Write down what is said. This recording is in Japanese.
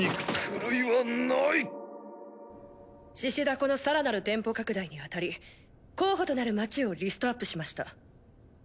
この更なる店舗拡大にあたり候補となる町をリストアップしました。